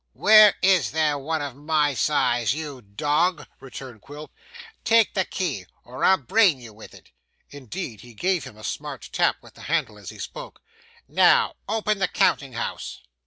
'Where is there one of my size, you dog?' returned Quilp. 'Take the key, or I'll brain you with it' indeed he gave him a smart tap with the handle as he spoke. 'Now, open the counting house.